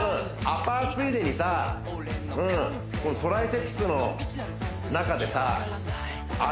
アパーついでにさトライセプスの中でさ